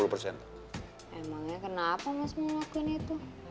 emangnya kenapa mas mau ngelakuin itu